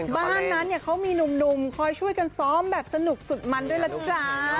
บ้านนั้นเนี่ยเขามีหนุ่มคอยช่วยกันซ้อมแบบสนุกสุดมันด้วยล่ะจ๊ะ